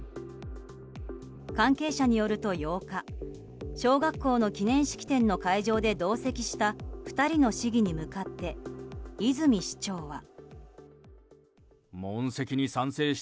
関係者によると、８日小学校の記念式典の会場で同席した２人の市議に向かって泉市長は。